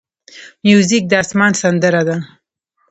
موزیک د آسمان سندره ده.